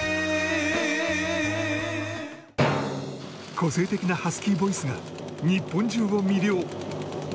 個性的なハスキーボイスが日本中を魅了